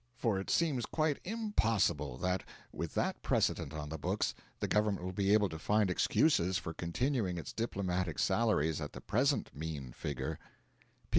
For it seems quite impossible that, with that precedent on the books, the Government will be able to find excuses for continuing its diplomatic salaries at the present mean figure.